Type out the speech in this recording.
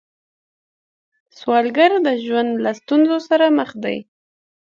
سوالګر د ژوند له ستونزو سره مخ دی